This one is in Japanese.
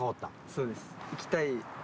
そうです。